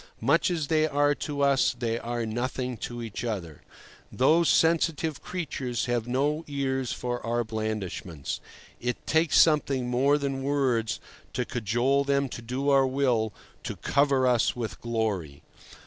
Much as they are to us, they are nothing to each other. Those sensitive creatures have no ears for our blandishments. It takes something more than words to cajole them to do our will, to cover us with glory.